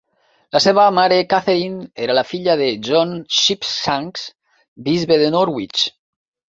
La seva mare Katherine era la filla de John Sheepshanks, Bisbe de Norwich.